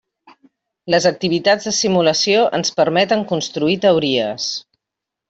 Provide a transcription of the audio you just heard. Les activitats de simulació ens permeten construir teories.